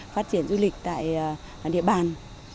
phát triển du lịch tại địa bàn